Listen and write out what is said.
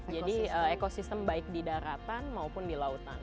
jadi ekosistem baik di daratan maupun di lautan